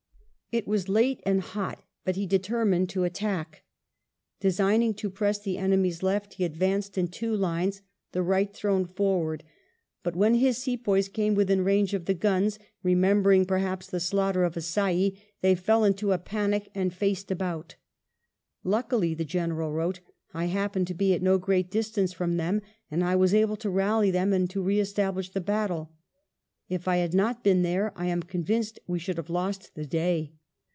It was late and hot, but he determined to attack. Peaigning to jMress the enemy's left be advanced in two lines, the right thrown forward ; but when his Sepoys came within range of the guns, remembering, perhaps, the slaughter of Assaye, they fell into a panic and faeed about. " Luckily," the General wrote, " I happened to be at no great distance from them, and I was able to rally them and re establish the battle. If I had not been there I am convinced we should have lost the day."